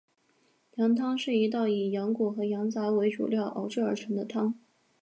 羊汤是一道以羊骨和羊杂为主料熬制而成的汤。